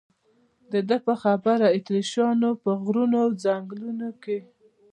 د ده په خبره اتریشیانو په غرونو او ځنګلونو کې.